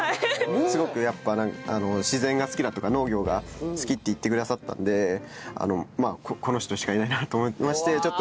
すごくやっぱ自然が好きだとか農業が好きって言ってくださったんでこの人しかいないなと思いましてちょっと真剣に。